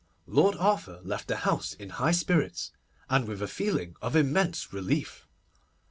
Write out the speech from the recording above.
Lord Arthur left the house in high spirits, and with a feeling of immense relief.